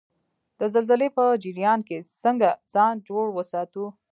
د زلزلې په جریان کې څنګه ځان جوړ وساتو؟